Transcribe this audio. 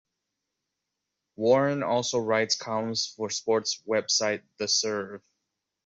Warren also writes columns for sports website "The Serve".